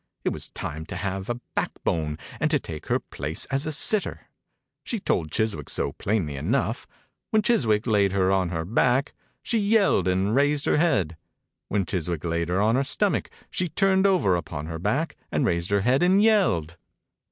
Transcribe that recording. It was time to have a backbone and to take her place as a sitter. She told Chiswick so plainly enough. When Chiswick laid her on her back she yelled and raised her head. When Chiswick laid her on her stomach she turned over upon her back and raised her head and yelled.